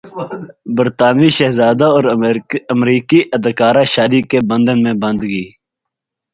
برطانوی شہزادہ اور امریکی اداکارہ شادی کے بندھن میں بندھ گئے